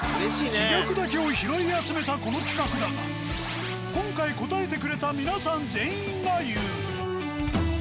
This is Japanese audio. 自虐だけを拾い集めたこの企画だが今回答えてくれた皆さん全員が言う。